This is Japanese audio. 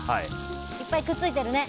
いっぱいくっついてるね！